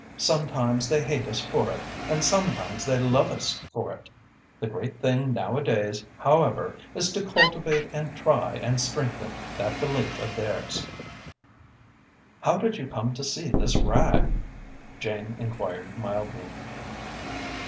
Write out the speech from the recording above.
Sometimes they hate us for it and sometimes they love us for it. The great thing, nowadays, however, is to cultivate and try and strengthen that belief of theirs." "How did you come to see this rag?" Jane enquired mildly.